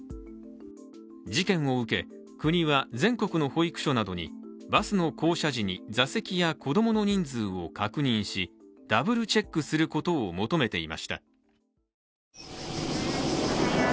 事件を受け、国は全国の保育所などにバスの降車時に座席や子供の人数を確認しダブルチェックすることを求めていました。